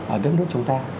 ở đất nước chúng ta